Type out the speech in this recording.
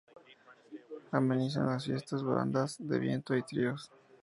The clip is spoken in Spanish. Amenizan las fiestas bandas de viento, y tríos.